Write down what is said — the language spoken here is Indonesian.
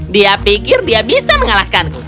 dia pikir dia bisa mengalahkanku